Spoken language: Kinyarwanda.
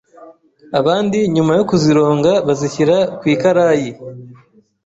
abandi nyuma yo kuzironga bazishyira ku ikarayi